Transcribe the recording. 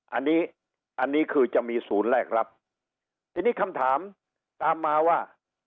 อันนี้อันนี้คือจะมีศูนย์แลกรับทีนี้คำถามตามมาว่า